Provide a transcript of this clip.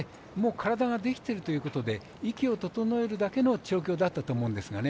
体ができているということで息を整えるだけの調教だったと思うんですがね。